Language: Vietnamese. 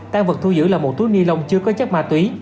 tàn vật thu giữ là một túi ni lông chưa có chất ma túy